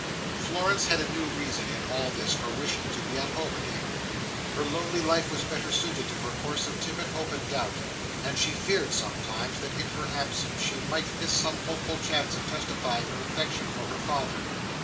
Florence had a new reason in all this for wishing to be at home again. Her lonely life was better suited to her course of timid hope and doubt; and she feared sometimes, that in her absence she might miss some hopeful chance of testifying her affection for her father.